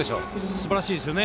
すばらしいですよね。